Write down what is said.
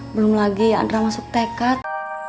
belum lagi andra masuk tekad